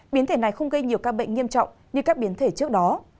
biến thể này không gây nhiều ca bệnh nghiêm trọng như các biến thể trước đó